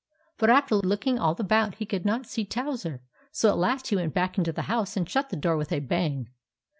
But after looking all about, he could not see Towser, so at last he went back into the house and shut the door with a bang.